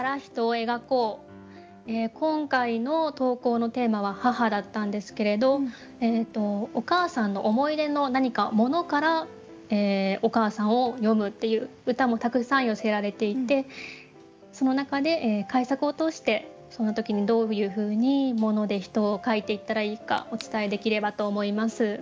今回の投稿のテーマは「母」だったんですけれどお母さんの思い出の何か物からお母さんを詠むっていう歌もたくさん寄せられていてその中で改作を通してその時にどういうふうに物で人を描いていったらいいかお伝えできればと思います。